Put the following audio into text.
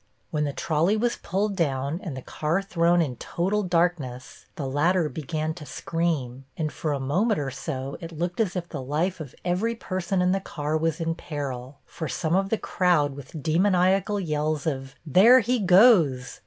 When the trolley was pulled down and the car thrown in total darkness, the latter began to scream, and for a moment or so it looked as if the life of every person in the car was in peril, for some of the crowd with demoniacal yells of "There he goes!"